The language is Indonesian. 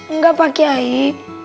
enggak pakai air